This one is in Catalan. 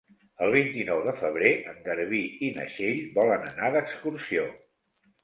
El vint-i-nou de febrer en Garbí i na Txell volen anar d'excursió.